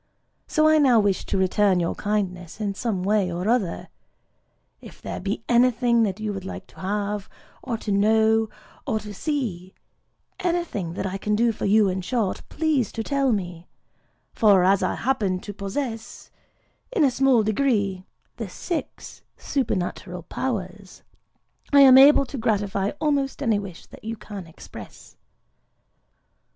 So I now wish to return your kindness in some way or other. If there be anything that you would like to have, or to know, or to see,—anything that I can do for you, in short,—please to tell me; for as I happen to possess, in a small degree, the Six Supernatural Powers, I am able to gratify almost any wish that you can express."